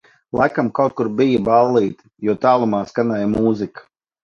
Laikam kaut kur bija ballīte, jo tālumā skanēja mūzika